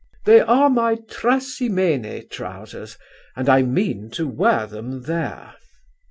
"'They are my Trasimene trousers, and I mean to wear them there.'"